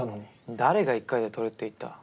誰が一回で獲れって言った。